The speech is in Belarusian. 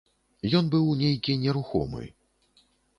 Ён быў нейкі нерухомы.